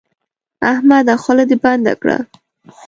احمده خوله دې بنده کړه.